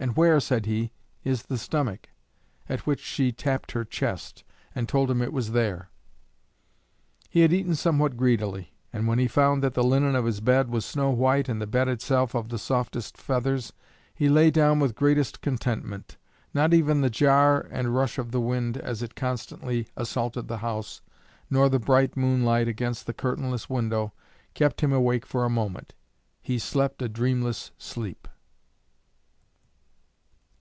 "And where," said he, "is the stomach?" At which she tapped her chest, and told him it was there. He had eaten somewhat greedily, and when he found that the linen of his bed was snow white and the bed itself of the softest feathers, he lay down with great contentment. Not even the jar and rush of the wind as it constantly assaulted the house, nor the bright moonlight against the curtainless window, kept him awake for a moment. He slept a dreamless sleep.